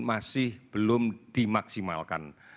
masih belum dimaksimalkan